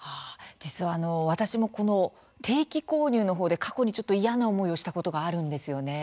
実は私もこの定期購入のほうで過去にちょっと嫌な思いをしたことがあるんですよね。